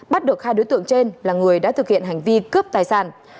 bắt được hai đối tượng trên là người đã thực hiện hành vi cướp tài sản